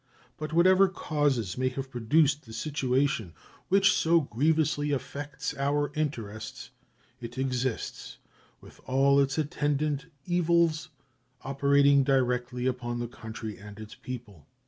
But whatever causes may have produced the situation which so grievously affects our interests, it exists, with all its attendant evils operating directly upon this country and its people.